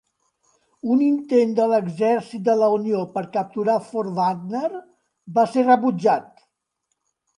Un intent de l'exèrcit de la Unió per capturar Fort Wagner va ser rebutjat.